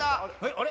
あれ？